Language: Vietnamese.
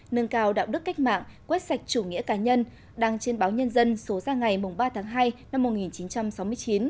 nâng cao đạo đức cách mạng quét sạch chủ nghĩa cá nhân đăng trên báo nhân dân số ra ngày ba tháng hai năm một nghìn chín trăm sáu mươi chín